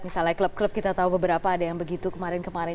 misalnya klub klub kita tahu beberapa ada yang begitu kemarin kemarin